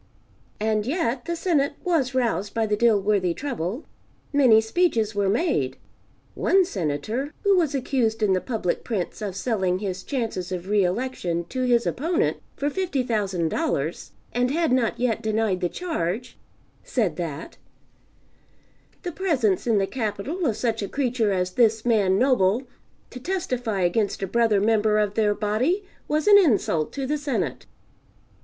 And yet the Senate was roused by the Dilworthy trouble. Many speeches were made. One Senator (who was accused in the public prints of selling his chances of re election to his opponent for $50,000 and had not yet denied the charge) said that, "the presence in the Capital of such a creature as this man Noble, to testify against a brother member of their body, was an insult to the Senate."